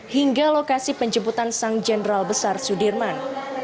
hingga lokasi penjemputan sang jenderal besar sudirman